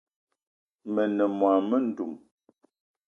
Me ne mô-mendum